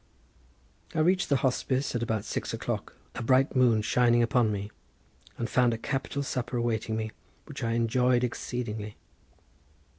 I reached the hospice at about six o'clock, a bright moon shining upon me, and found a capital supper awaiting me, which I enjoyed exceedingly.